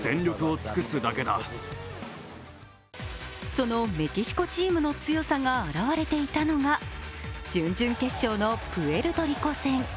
そのメキシコチームの強さが表れていたのが準々決勝のプエルトリコ戦。